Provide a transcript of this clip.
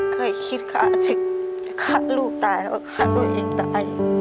เดี๋ยวคิดขาสินะขาลูกถ่ายแล้วขาตัวเองถ่าย